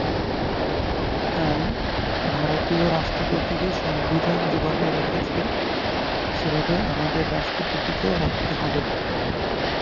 তাই ভারতীয় রাষ্ট্রপতিকে সংবিধান যেভাবে রেখেছে, সেভাবে আমাদের রাষ্ট্রপতিকেও রাখতে হবে।